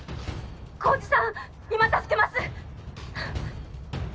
浩次さん今助けますはぁ。